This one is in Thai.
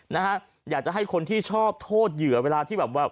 นะฮะอยากจะให้คนที่ชอบโทษเหยื่อเวลาที่แบบว่า